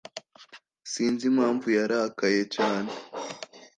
Sinzi impamvu yarakaye cyane.